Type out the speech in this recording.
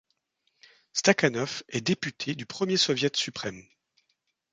Stakhanov est député du premier Soviet suprême.